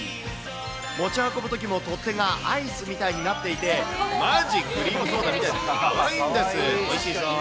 持ち運ぶときも取っ手がアイスみたいになっていて、まじクリームソーダみたいでかわいいんです。